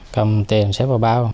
cầm tiền xếp vào bao